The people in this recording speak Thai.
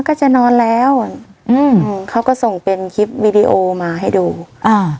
ก็จะนอนแล้วอืมเขาก็ส่งเป็นคลิปวีดีโอมาให้ดูอ่า